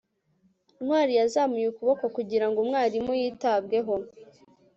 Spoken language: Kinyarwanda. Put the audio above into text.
ntwali yazamuye ukuboko kugira ngo umwarimu yitabweho